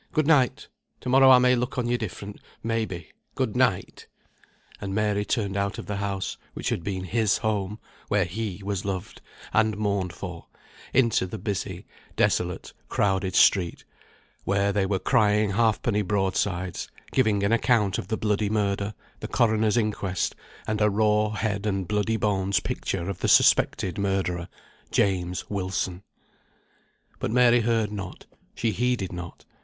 Good night. To morrow I may look on you different, may be. Good night." And Mary turned out of the house, which had been his home, where he was loved, and mourned for, into the busy, desolate, crowded street, where they were crying halfpenny broadsides, giving an account of the bloody murder, the coroner's inquest, and a raw head and bloody bones picture of the suspected murderer, James Wilson. But Mary heard not, she heeded not.